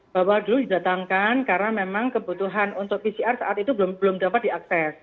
bahwa dulu didatangkan karena memang kebutuhan untuk pcr saat itu belum dapat diakses